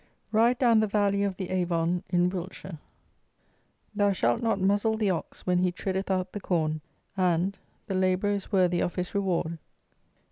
RIDE DOWN THE VALLEY OF THE AVON IN WILTSHIRE. "Thou shalt not muzzle the ox when he treadeth out the corn; and, The labourer is worthy of his reward."